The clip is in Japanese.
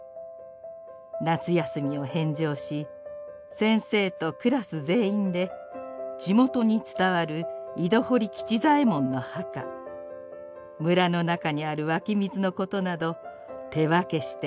夏休みを返上し先生とクラス全員で地元に伝わる井戸掘吉左衛門の墓村の中にある湧水のことなど手分けしていろいろ訪ね歩いた」。